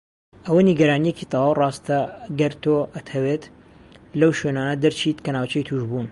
ئەوە نیگەرانیەکی تەواو ڕاستەگەر تۆ ئەتهەویت لەو شوێنانە دەرچیت کە ناوچەی توشبوون.